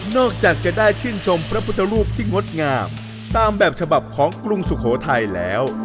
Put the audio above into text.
จากจะได้ชื่นชมพระพุทธรูปที่งดงามตามแบบฉบับของกรุงสุโขทัยแล้ว